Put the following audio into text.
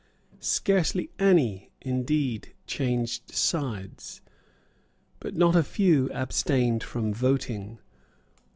Scarcely any, indeed, changed sides. But not a few abstained from voting.